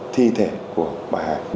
thi thể của bà hải